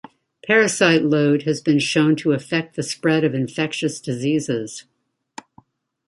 Parasite load has been shown to affect the spread of infectious diseases.